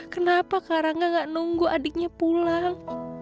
kenapa karangga gak nunggu adiknya pulang